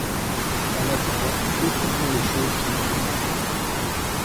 En attendant, étudions les choses qui ne sont plus.